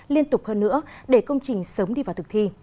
liên tục hơn nữa để công trình sớm đi vào thực thi